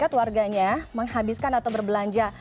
jadi setiap negara yang menghabiskan atau berbelanja